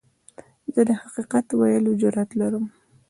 زه د حقیقت ویلو جرئت لرم.